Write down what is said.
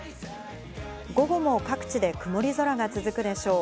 午後も各地で曇り空が続くでしょう。